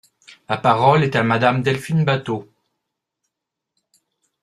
La parole est à Madame Delphine Batho.